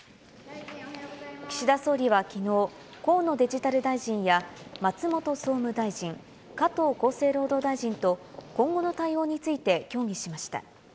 岸田総理はきのう、河野デジタル大臣や松本総務大臣、加藤厚生労働大臣と今後の対応について協議しました。